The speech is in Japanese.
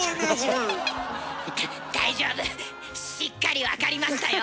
大丈夫しっかりわかりましたよ。